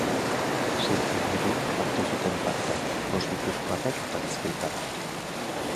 Sei traineruk hartu zuten parte, bost gipuzkoarrek eta bizkaitar batek.